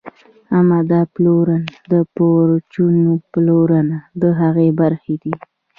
عمده پلورنه او پرچون پلورنه د هغې برخې دي